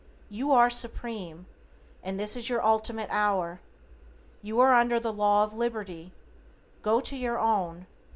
You are Supreme and this is your ultimate hour. You are under the law of liberty, go to your own.